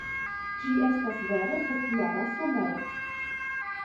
Ĝi estas vere populara somere.